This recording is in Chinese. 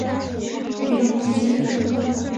透纳娱乐公司建立。